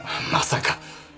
まさか！